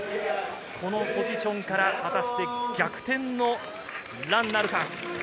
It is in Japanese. このポジションから果たして逆転のランなるか。